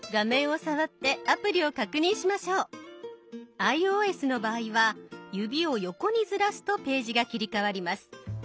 ｉＯＳの場合は指を横にずらすとページが切り替わります。